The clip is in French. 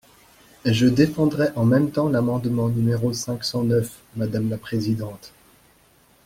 Je défendrai en même temps l’amendement numéro cinq cent neuf, madame la présidente.